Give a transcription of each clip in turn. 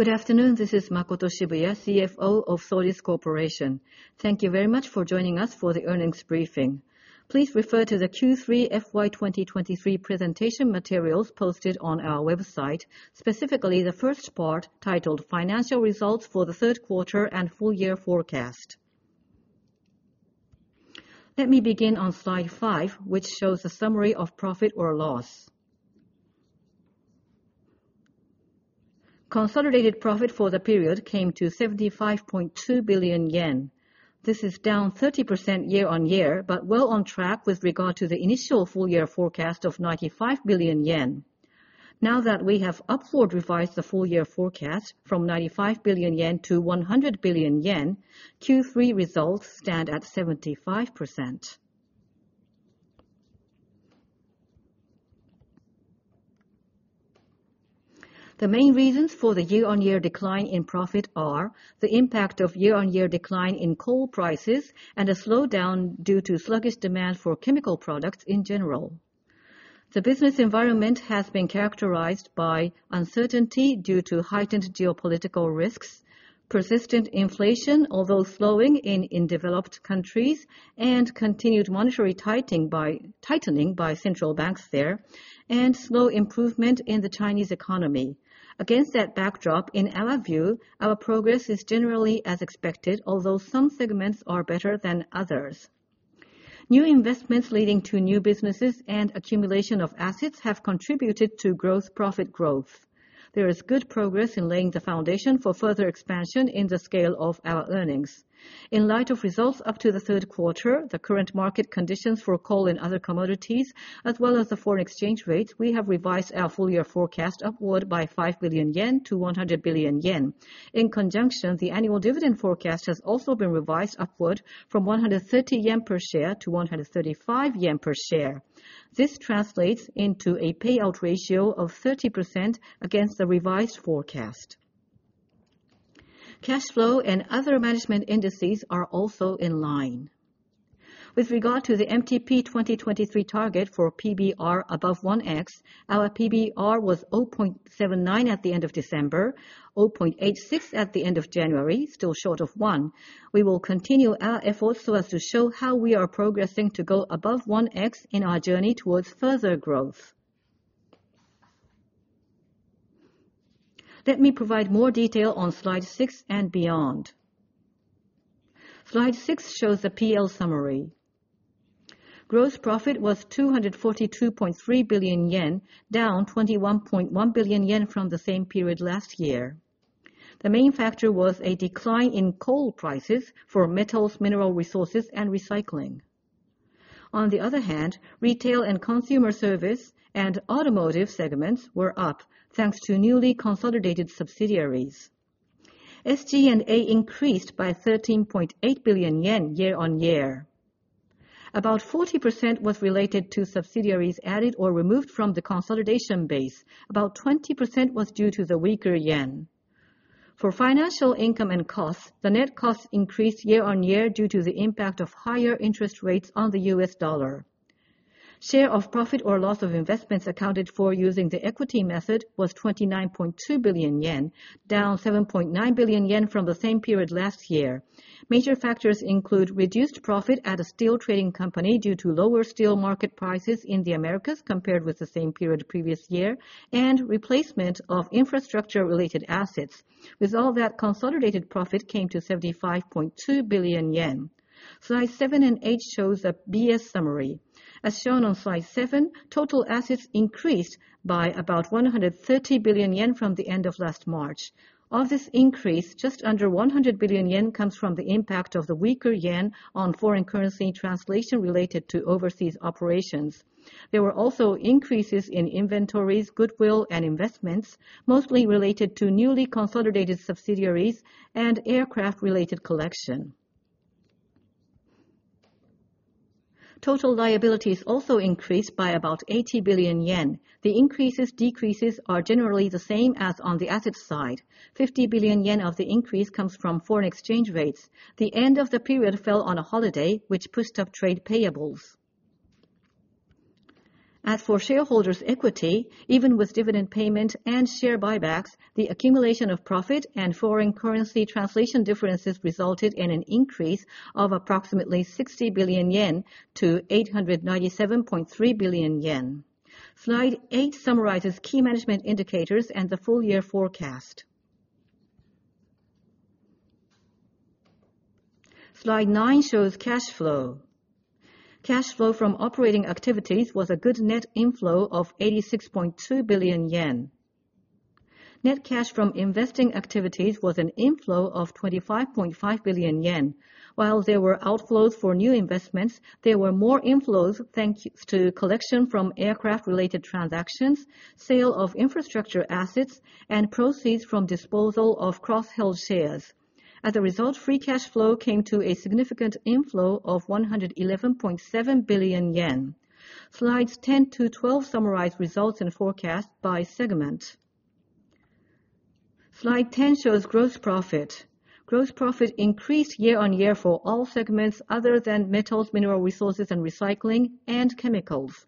Good afternoon, this is Makoto Shibuya, CFO of Sojitz Corporation. Thank you very much for joining us for the earnings briefing. Please refer to the Q3 FY 2023 presentation materials posted on our website, specifically the first part titled Financial Results for the Third Quarter and Full Year Forecast. Let me begin on slide five, which shows a summary of profit or loss. Consolidated profit for the period came to 75.2 billion yen. This is down 30% year-on-year, but well on track with regard to the initial full year forecast of 95 billion yen. Now that we have upward revised the full year forecast from 95 billion yen to 100 billion yen, Q3 results stand at 75%. The main reasons for the year-on-year decline in profit are the impact of year-on-year decline in coal prices and a slowdown due to sluggish demand for chemical products in general. The business environment has been characterized by uncertainty due to heightened geopolitical risks, persistent inflation, although slowing in developed countries, and continued monetary tightening by central banks there, and slow improvement in the Chinese economy. Against that backdrop, in our view, our progress is generally as expected, although some segments are better than others. New investments leading to new businesses and accumulation of assets have contributed to growth, profit growth. There is good progress in laying the foundation for further expansion in the scale of our earnings. In light of results up to the third quarter, the current market conditions for coal and other commodities, as well as the foreign exchange rate, we have revised our full year forecast upward by 5 billion yen to 100 billion yen. In conjunction, the annual dividend forecast has also been revised upward from 130 yen per share to 135 yen per share. This translates into a payout ratio of 30% against the revised forecast. Cash flow and other management indices are also in line. With regard to the MTP 2023 target for PBR above 1x, our PBR was 0.79 at the end of December, 0.86 at the end of January, still short of 1. We will continue our efforts so as to show how we are progressing to go above 1x in our journey towards further growth. Let me provide more detail on slide six and beyond. Slide six shows the P&L summary. Gross profit was 242.3 billion yen, down 21.1 billion yen from the same period last year. The main factor was a decline in coal prices for metals, mineral resources, and recycling. On the other hand, retail and consumer service and automotive segments were up, thanks to newly consolidated subsidiaries. SG&A increased by 13.8 billion yen year-on-year. About 40% was related to subsidiaries added or removed from the consolidation base. About 20% was due to the weaker yen. For financial income and costs, the net costs increased year-on-year due to the impact of higher interest rates on the U.S. dollar. Share of profit or loss of investments accounted for using the equity method was 29.2 billion yen, down 7.9 billion yen from the same period last year. Major factors include reduced profit at a steel trading company due to lower steel market prices in the Americas, compared with the same period previous year, and replacement of infrastructure-related assets. With all that, consolidated profit came to 75.2 billion yen. Slide seven and eight shows a B/S summary. As shown on slide seven, total assets increased by about 130 billion yen from the end of last March. Of this increase, just under 100 billion yen comes from the impact of the weaker yen on foreign currency translation related to overseas operations. There were also increases in inventories, goodwill, and investments, mostly related to newly consolidated subsidiaries and aircraft-related collection. Total liabilities also increased by about 80 billion yen. The increases, decreases are generally the same as on the assets side. 50 billion yen of the increase comes from foreign exchange rates. The end of the period fell on a holiday, which pushed up trade payables. As for shareholders' equity, even with dividend payment and share buybacks, the accumulation of profit and foreign currency translation differences resulted in an increase of approximately 60 billion yen to 897.3 billion yen. Slide eight summarizes key management indicators and the full year forecast. Slide nine shows cash flow. Cash flow from operating activities was a good net inflow of 86.2 billion yen. Net cash from investing activities was an inflow of 25.5 billion yen. While there were outflows for new investments, there were more inflows thanks to collection from aircraft-related transactions, sale of infrastructure assets, and proceeds from disposal of cross-held shares. As a result, free cash flow came to a significant inflow of 111.7 billion yen. Slides 10-12 summarize results and forecast by segment. Slide 10 shows gross profit. Gross profit increased year-over-year for all segments other than metals, mineral resources, and recycling, and chemicals.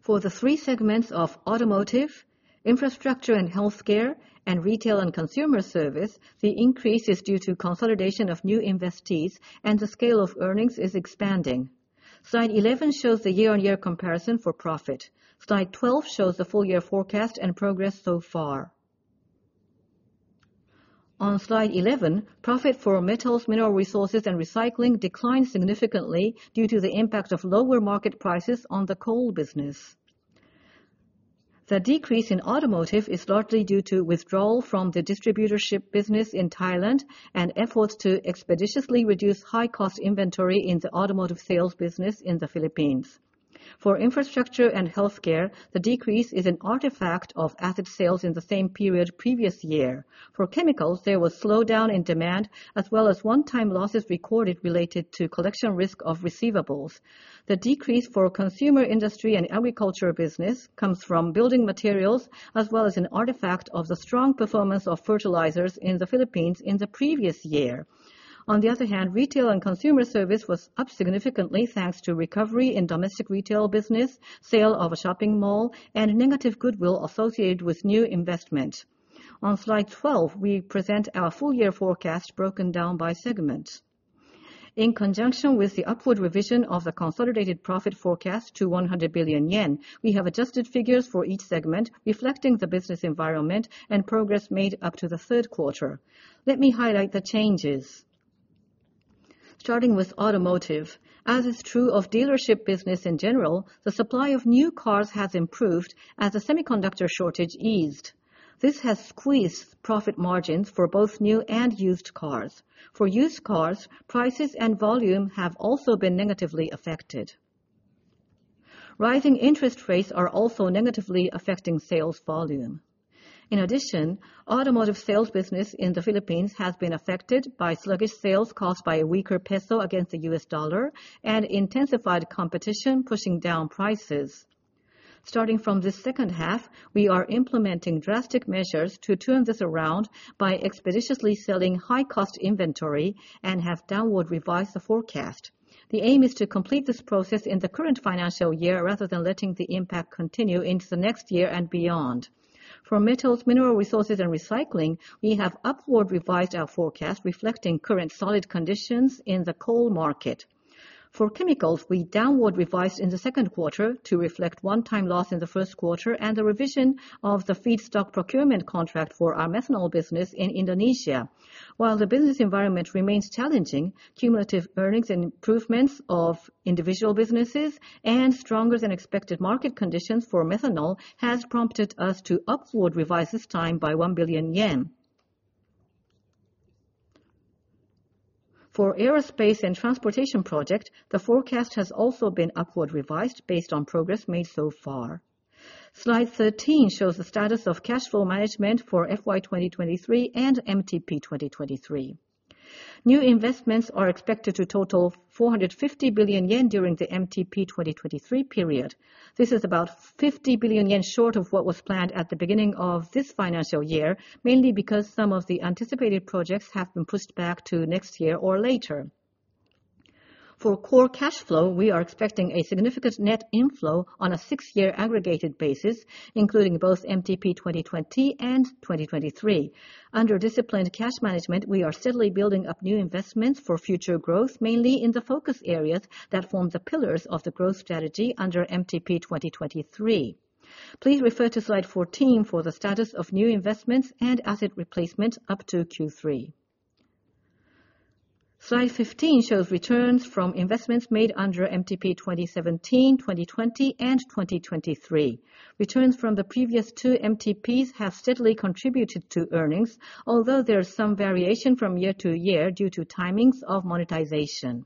For the three segments of automotive, infrastructure, and healthcare, and retail and consumer service, the increase is due to consolidation of new investees, and the scale of earnings is expanding. Slide 11 shows the year-over-year comparison for profit. Slide 12 shows the full-year forecast and progress so far. On slide 11, profit for metals, mineral resources, and recycling declined significantly due to the impact of lower market prices on the coal business. The decrease in automotive is largely due to withdrawal from the distributorship business in Thailand and efforts to expeditiously reduce high cost inventory in the automotive sales business in the Philippines. For infrastructure and healthcare, the decrease is an artifact of asset sales in the same period previous year. For chemicals, there was slowdown in demand, as well as one-time losses recorded related to collection risk of receivables. The decrease for consumer industry and agriculture business comes from building materials, as well as an artifact of the strong performance of fertilizers in the Philippines in the previous year. On the other hand, retail and consumer service was up significantly, thanks to recovery in domestic retail business, sale of a shopping mall, and negative goodwill associated with new investment. On slide 12, we present our full year forecast broken down by segment. In conjunction with the upward revision of the consolidated profit forecast to 100 billion yen, we have adjusted figures for each segment, reflecting the business environment and progress made up to the third quarter. Let me highlight the changes. Starting with automotive, as is true of dealership business in general, the supply of new cars has improved as the semiconductor shortage eased. This has squeezed profit margins for both new and used cars. For used cars, prices and volume have also been negatively affected. Rising interest rates are also negatively affecting sales volume. In addition, automotive sales business in the Philippines has been affected by sluggish sales caused by a weaker peso against the U.S. dollar and intensified competition, pushing down prices. Starting from this second half, we are implementing drastic measures to turn this around by expeditiously selling high-cost inventory and have downward revised the forecast. The aim is to complete this process in the current financial year, rather than letting the impact continue into the next year and beyond. For metals, mineral resources, and recycling, we have upward revised our forecast, reflecting current solid conditions in the coal market. For chemicals, we downward revised in the second quarter to reflect one-time loss in the first quarter and the revision of the feedstock procurement contract for our methanol business in Indonesia. While the business environment remains challenging, cumulative earnings and improvements of individual businesses and stronger than expected market conditions for methanol has prompted us to upward revise this time by 1 billion yen. For aerospace and transportation project, the forecast has also been upward revised based on progress made so far. Slide 13 shows the status of cash flow management for FY 2023 and MTP 2023. New investments are expected to total 450 billion yen during the MTP 2023 period. This is about 50 billion yen short of what was planned at the beginning of this financial year, mainly because some of the anticipated projects have been pushed back to next year or later. For core cash flow, we are expecting a significant net inflow on a six-year aggregated basis, including both MTP 2020 and 2023. Under disciplined cash management, we are steadily building up new investments for future growth, mainly in the focus areas that form the pillars of the growth strategy under MTP 2023. Please refer to slide 14 for the status of new investments and asset replacement up to Q3. Slide 15 shows returns from investments made under MTP 2017, 2020, and 2023. Returns from the previous two MTPs have steadily contributed to earnings, although there is some variation from year to year due to timings of monetization.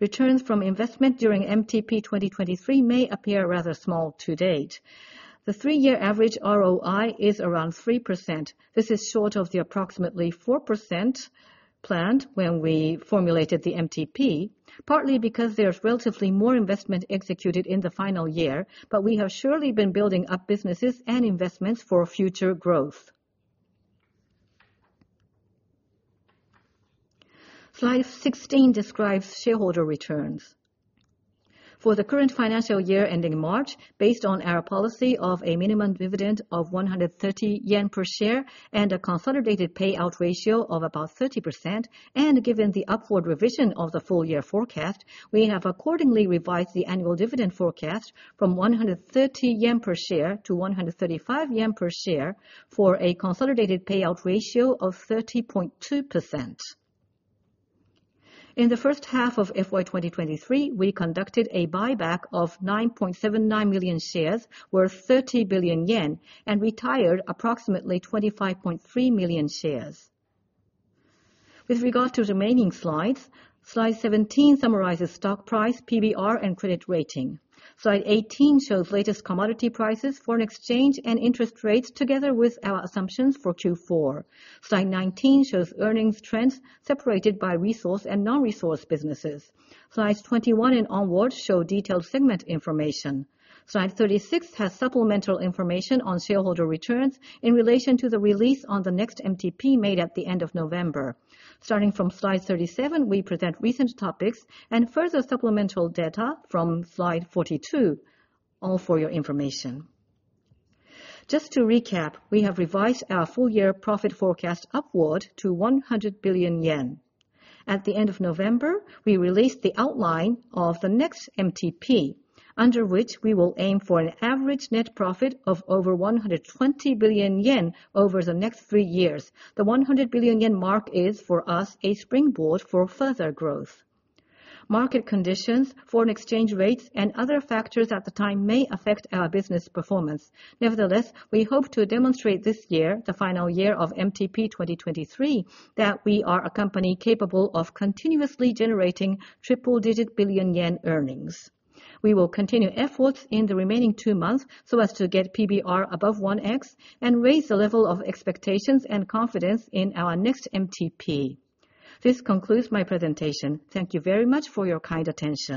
Returns from investment during MTP 2023 may appear rather small to date. The three year average ROI is around 3%. This is short of the approximately 4% planned when we formulated the MTP, partly because there's relatively more investment executed in the final year, but we have surely been building up businesses and investments for future growth. Slide 16 describes shareholder returns. For the current financial year, ending March, based on our policy of a minimum dividend of 130 yen per share and a consolidated payout ratio of about 30%, and given the upward revision of the full year forecast, we have accordingly revised the annual dividend forecast from 130 yen per share to 135 yen per share, for a consolidated payout ratio of 30.2%. In the first half of FY 2023, we conducted a buyback of 9.79 million shares, worth 30 billion yen, and retired approximately 25.3 million shares. With regard to remaining slides, slide 17 summarizes stock price, PBR, and credit rating. Slide 18 shows latest commodity prices, foreign exchange, and interest rates, together with our assumptions for Q4. Slide 19 shows earnings trends separated by resource and non-resource businesses. Slides 21 and onwards show detailed segment information. Slide 36 has supplemental information on shareholder returns in relation to the release on the next MTP made at the end of November. Starting from slide 37, we present recent topics and further supplemental data from slide 42, all for your information. Just to recap, we have revised our full year profit forecast upward to 100 billion yen. At the end of November, we released the outline of the next MTP, under which we will aim for an average net profit of over 120 billion yen over the next three years. The 100 billion yen mark is, for us, a springboard for further growth. Market conditions, foreign exchange rates, and other factors at the time may affect our business performance. Nevertheless, we hope to demonstrate this year, the final year of MTP 2023, that we are a company capable of continuously generating triple-digit billion yen earnings. We will continue efforts in the remaining two months so as to get PBR above 1x and raise the level of expectations and confidence in our next MTP. This concludes my presentation. Thank you very much for your kind attention.